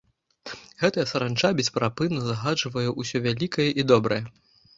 Гэтая саранча бесперапынна загаджвае ўсё вялікае і добрае.